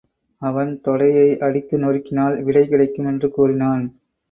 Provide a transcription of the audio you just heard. அவன் தொடையை அடித்து நொறுக்கினால் விடை கிடைக்கும் என்று கூறினான்.